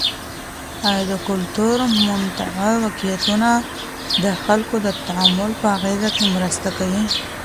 آیا د کلتور متنوع واقعيتونه د خلګو د تعامل په اغیز کي مرسته کوي؟